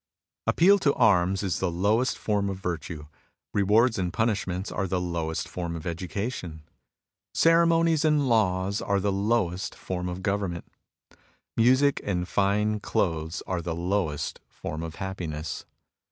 Appeal to arms is the lowest form of virtue. Rewards and punishments are the lowest form of education. Ceremonies and laws are the lowest form of government. Music and fine clothes are THE CLIMAX OF PERFECTION 99 the lowest form of happiness.